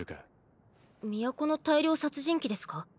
都の大量殺人鬼ですか？